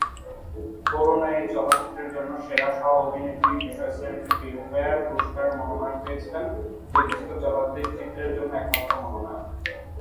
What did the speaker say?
অরুণা এই চলচ্চিত্রের জন্য সেরা সহ অভিনেত্রী বিষয়শ্রেণীতে ফিল্মফেয়ার পুরস্কারের মনোনয়ন পেয়েছিলেন যেটি ছিলো চলচ্চিত্রটির জন্য একমাত্র মনোনয়ন।